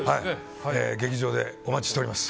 劇場でお待ちしております。